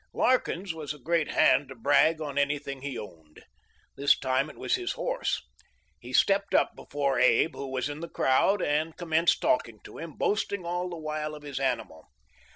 Larkins was a great hand to brag on any thing he owned. This time it was his horse. He stepped up before Abe, who was in the crowd, and commenced talking to him, boasting all the while of his animal.